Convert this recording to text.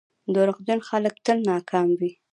• دروغجن خلک تل ناکام وي.